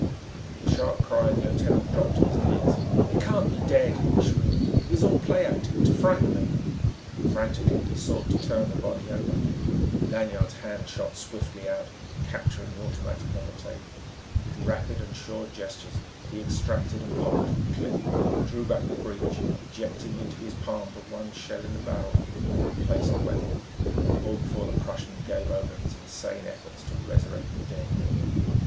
With a sharp cry the lieutenant dropped to his knees. "He can't be dead!" he shrilled. "It is all play acting, to frighten me!" Frantically he sought to turn the body over. Lanyard's hand shot swiftly out, capturing the automatic on the table. With rapid and sure gestures he extracted and pocketed the clip, drew back the breech, ejecting into his palm the one shell in the barrel, and replaced the weapon, all before the Prussian gave over his insane efforts to resurrect the dead.